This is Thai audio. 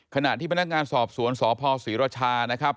ขณะที่พนักงานสอบสวนสพศรีรชานะครับ